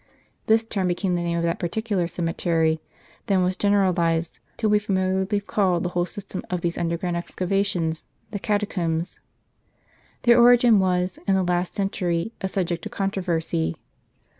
This term became the name of that particular cemetery, then was generalized, till we familiarly call the whole system of these underground excavations — the Catacombs. Their origin was, in the last century, a subject of contro versy.